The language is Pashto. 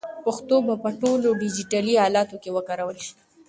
پښتو به په ټولو ډیجیټلي الاتو کې وکارول شي.